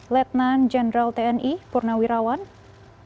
leitnan jeneral tni purnawirawan ida bagus purwalaksana